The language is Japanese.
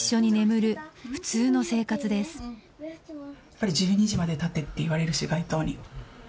やっぱり「１２時まで立て」って言われるし街頭に。